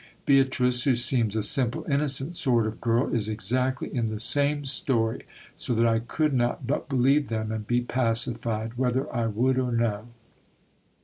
Beatrice, who seems a simple, innocent sort of girl, is exactly in the same story, so that I could not but believe them and be pacified, whether I would or no.